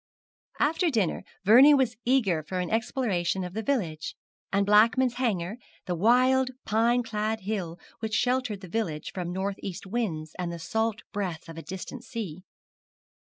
After dinner Vernie was eager for an exploration of the village, and Blackman's Hanger, the wild, pine clad hill which sheltered the village from north east winds and the salt breath of a distant sea.